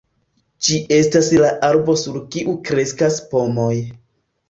Ĝi estas la arbo sur kiu kreskas pomoj.